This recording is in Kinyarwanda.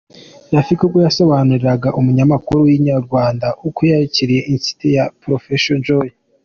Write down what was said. , Rafiki ubwo yasobanuriraga umunyamakuru w’inyarwanda uko yakiriye intsinzi ya Professor Jay.